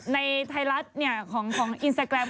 ในไทรัสเนี่ยของอินสตาแกรม